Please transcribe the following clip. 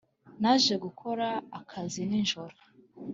Naje gukora akazi nijoro